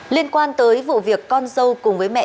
liên quan tới vụ việc con dâu cùng với mẹ cháu bé